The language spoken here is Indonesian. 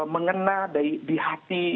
mengena di hati